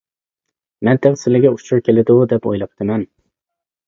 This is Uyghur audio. مەن تېخى سىلىگە ئۇچۇر كېلىدۇ، دەپ ئويلاپتىمەن.